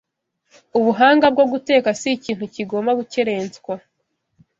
Ubuhanga mu byo guteka si ikintu kigomba gukerenswa